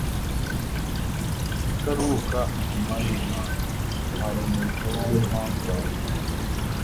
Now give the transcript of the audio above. Rutaruhuka amahina ntwara umuheto w'impangare,